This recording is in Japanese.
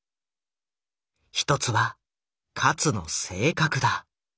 一つは勝の性格だ。